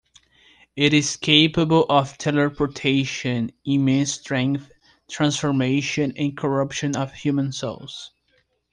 It is capable of teleportation, immense strength, transformation, and corruption of human souls.